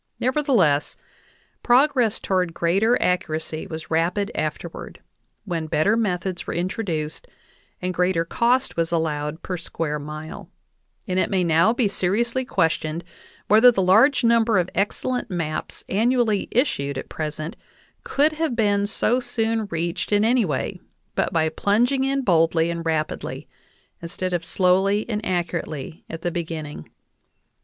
Nevertheless, progress toward greater ac curacy was rapid afterward, when better methods were intro duced and greater cost was allowed per square mile; and it may now be seriously questioned whether the large number of excellent maps annually issued at present could have been so soon reached in any way but by plunging in boldly and rapidly instead of slowly and accurately at the beginning.